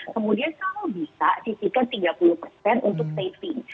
kemudian selalu bisa sisikan tiga puluh untuk saving